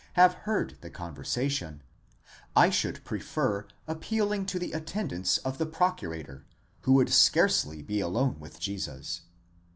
have heard the conversation, I should prefer appealing to the attendants of the Procurator, who would scarcely be alone with Jesus.